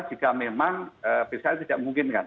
jika memang pssi tidak memungkinkan